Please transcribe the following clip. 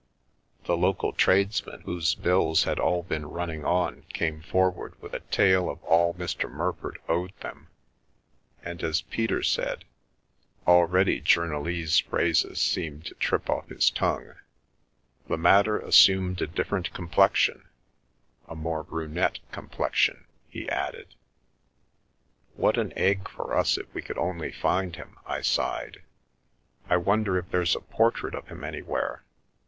The local tradesmen whose bills had all been running on came forward with a tale of all " Mr. Murford " owed them, and, as Peter A Flutter in Fleet Street said — already journalese phrases seemed to trip off his tongue —" the matter assumed a different complexion — a more brunette complexion," he added. "What an egg for us if we could only find him!" I sighed. " I wonder if there's a portrait of him any where.